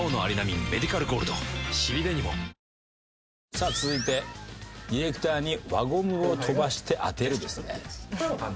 さあ続いて「ディレクターに輪ゴムを飛ばして当てる」ですね。